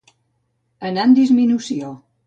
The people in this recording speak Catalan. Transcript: Anar en disminució.